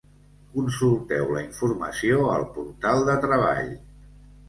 Consulteu la informació al portal de Treball.